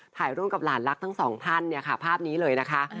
ถ่ายร่วมกับหลานรักทั้งสองท่านเนี่ยค่ะภาพนี้เลยนะคะ